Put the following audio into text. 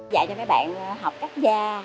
dạy cho mấy bạn học cắt da